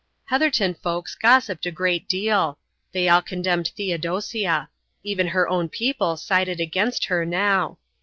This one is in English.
Heatherton folks gossiped a great deal. They all condemned Theodosia. Even her own people sided against her now.